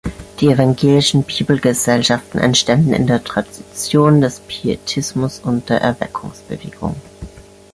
Die evangelischen Bibelgesellschaften entstanden in der Tradition des Pietismus und der Erweckungsbewegung.